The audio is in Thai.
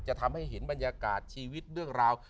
จะทำให้เห็นบรรยากาศชีวิตเรื่องราว